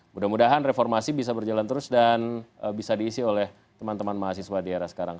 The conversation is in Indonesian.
mudah mudahan reformasi bisa berjalan terus dan bisa diisi oleh teman teman mahasiswa di era sekarang